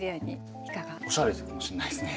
おしゃれかもしんないですね。